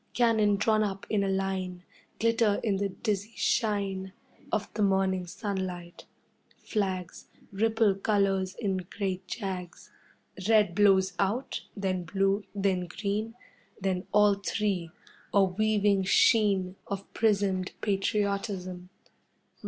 Cannon drawn up in a line Glitter in the dizzy shine Of the morning sunlight. Flags Ripple colours in great jags. Red blows out, then blue, then green, Then all three a weaving sheen Of prismed patriotism.